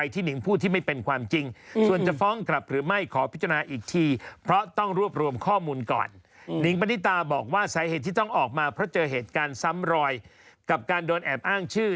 ต้องออกมาเพราะเจอเหตุการณ์ซ้ำรอยกับการโดนอาบอ้างชื่อ